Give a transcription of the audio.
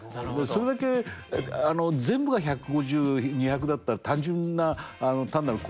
それだけ全部が１５０２００だったら単純な単なる高血圧じゃない。